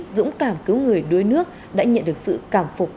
dũng cảm cứu người đuối nước đã nhận được sự cảm phục